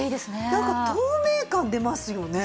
なんか透明感出ますよね。